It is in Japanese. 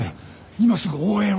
今すぐ応援を。